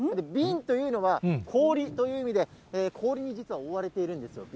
ビンというのは氷という意味で、氷に実は覆われているんです。